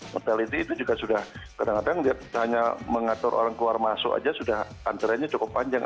mortality itu juga sudah kadang kadang dia hanya mengatur orang keluar masuk aja sudah antreannya cukup panjang